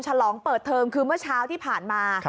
ฉลองเปิดเทอมคือเมื่อเช้าที่ผ่านมา